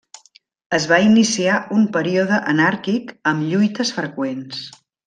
Es va iniciar un període anàrquic amb lluites freqüents.